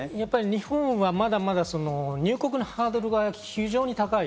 日本は入国のハードルが非常に高い。